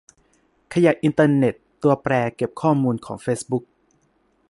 ขยะอินเทอร์เน็ต ตัวแปรเก็บข้อมูลของเฟซบุ๊ก